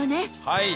はい。